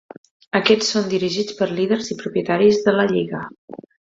Aquests són dirigits per líders i propietaris de la Lliga.